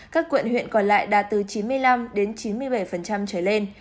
các quận huyện còn lại đạt từ chín mươi năm đến chín mươi bảy trở lên